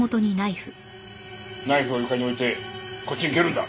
ナイフを床に置いてこっちに蹴るんだ。